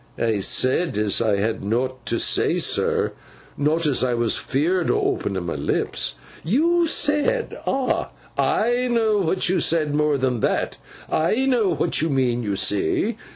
'I sed as I had nowt to sen, sir; not as I was fearfo' o' openin' my lips.' 'You said! Ah! I know what you said; more than that, I know what you mean, you see.